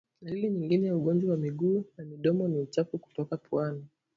Dalili nyingine ya ugonjwa wa miguu na midomo ni uchafu kutoka puani